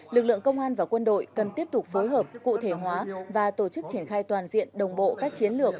lực lượng công an và quân đội cần tiếp tục phối hợp cụ thể hóa và tổ chức triển khai toàn diện đồng bộ các chiến lược